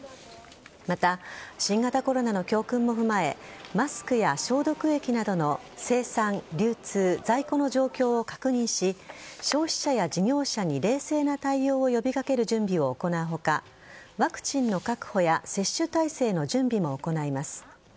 また、新型コロナの教訓も踏まえマスクや消毒液などの生産・流通・在庫の状況を確認し消費者や事業者に冷静な対応を呼び掛ける準備を行う他ワクチンの確保や接種体制の準備も行います。